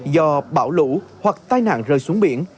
do bão lũ hoặc tai nạn rơi xuống biển